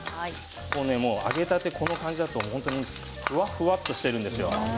揚げたて、この感じだとふわふわっとしているんですよ。